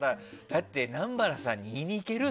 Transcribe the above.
だって南原さんに言いに行ける？